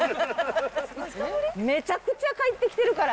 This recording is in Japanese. めちゃくちゃ帰ってきてるから。